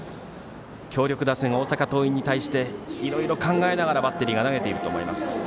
強力打線、大阪桐蔭に対していろいろ考えながらバッテリーは投げていると思います。